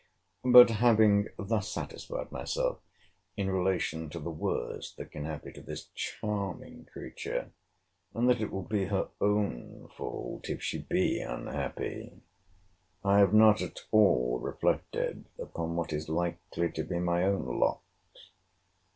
But, having thus satisfied myself in relation to the worst that can happen to this charming creature; and that it will be her own fault, if she be unhappy; I have not at all reflected upon what is likely to be my own lot.